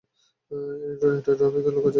এটা ড্রপিয়রের সাথে লুকোচুরি খেলার মতোই।